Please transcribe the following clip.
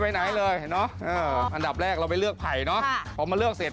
แค่นี้แค่นั้นเหรอครับไม่ไปไหนเลย